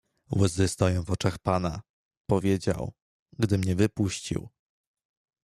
"Łzy stoją w oczach pana, powiedział, gdy mnie wypuścił."